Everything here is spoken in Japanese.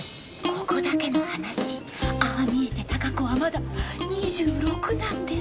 ここだけの話ああ見えて貴子はまだ２６なんですよえっ？